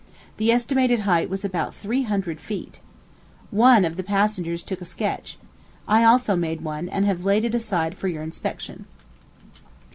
The estimated height was about three hundred feet. One if the passengers took a sketch. I also made one, and have laid it aside for your inspection.